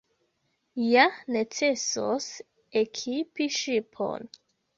Ja necesos ekipi ŝipon.